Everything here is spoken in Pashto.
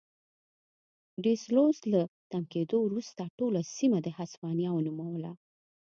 ډي سلوس له تم کېدو وروسته ټوله سیمه د هسپانیا ونوموله.